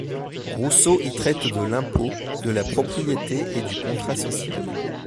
Rousseau y traite de l'impôt, de la propriété et du contrat social.